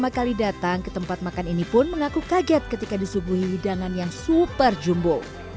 pertama kali datang ke tempat makan ini pun mengaku kaget ketika disuguhi hidangan yang super jumbo